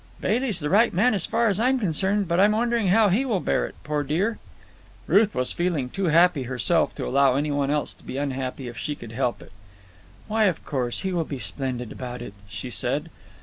"Bailey's the right man, as far as I'm concerned. But I'm wondering how he will bear it, poor dear." Ruth was feeling too happy herself to allow any one else to be unhappy if she could help it. "Why, of course he will be splendid about it," she said.